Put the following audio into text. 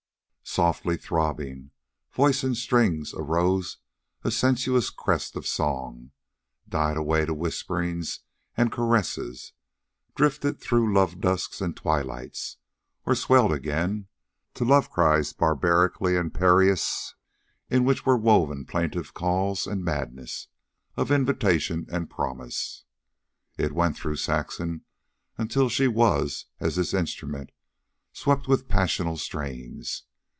Softly throbbing, voice and strings arose on sensuous crests of song, died away to whisperings and caresses, drifted through love dusks and twilights, or swelled again to love cries barbarically imperious in which were woven plaintive calls and madnesses of invitation and promise. It went through Saxon until she was as this instrument, swept with passional strains.